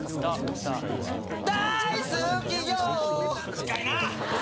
短いなぁ！